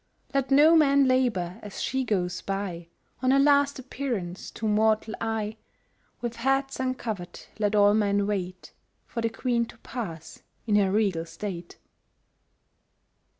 Let no man labour as she goes by On her last appearance to mortal eye: With heads uncovered let all men wait For the Queen to pass, in her regal state.